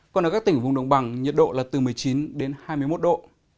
còn ở các tỉnh vùng đồng bằng nhiệt độ là từ một mươi chín đến hai mươi một độ